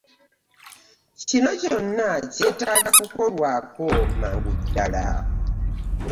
Kino kyonna kyetaaga kukolwako mangu ddala.